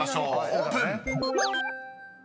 オープン！］